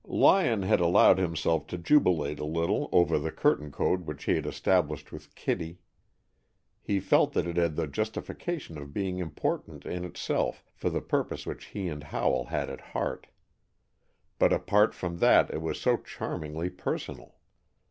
Lyon had allowed himself to jubilate a little over the curtain code which he had established with Kittie. He felt that it had the justification of being important in itself for the purpose which he and Howell had at heart, but apart from that it was so charmingly personal.